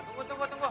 tunggu tunggu tunggu